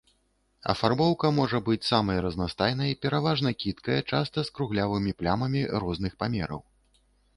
Афарбоўка можа быць самай разнастайнай, пераважна кідкая, часта з круглявымі плямамі розных памераў.